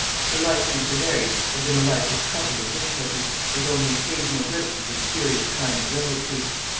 Her life since her marriage had been a life of trouble and difficulty, with only occasional glimpses of a spurious kind of brilliancy.